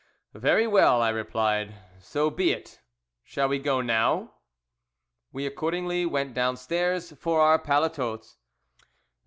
"Very well," I replied "so be it. Shall we go now?" We accordingly went downstairs for our paletots.